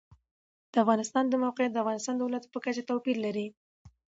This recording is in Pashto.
د افغانستان د موقعیت د افغانستان د ولایاتو په کچه توپیر لري.